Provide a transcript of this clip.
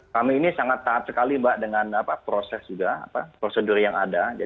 kami ini sangat taat sekali mbak dengan proses juga prosedur yang ada